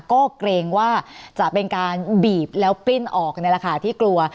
ก็เกรงว่าจะเป็นการบีบแล้วปลิ้นออกนี่แหละค่ะที่กลัว